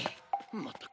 まったく。